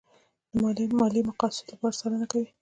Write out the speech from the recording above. ماليې مقاصدو لپاره څارنه کوي.